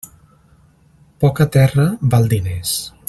Poca terra val diners.